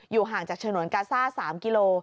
ห่างจากฉนวนกาซ่า๓กิโล